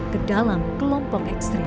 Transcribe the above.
ke dalam kelompok ekstrem